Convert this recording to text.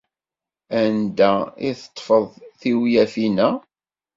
Anda i d-teṭṭfeḍ tiwlafin-a?